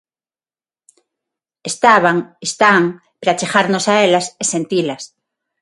Estaban, están, para achegarnos a elas e sentilas.